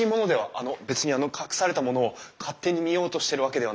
あの別に隠されたものを勝手に見ようとしてるわけではなくてですね。